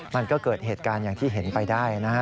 มันก็เกิดเหตุการณ์อย่างที่เห็นไปได้นะฮะ